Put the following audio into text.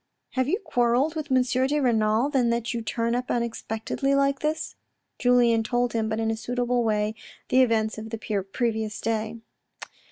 " Have you quarelled with M. de Renal then that you turn up unexpectedly like this ?" Julien told him, but in a suitable way, the events of the previous day.